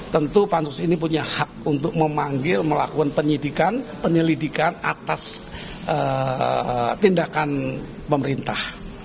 tentu pansus ini punya hak untuk memanggil melakukan penyelidikan atas tindakan pemerintah